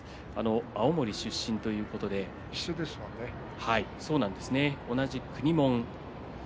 青森出身ということで同じ国もん。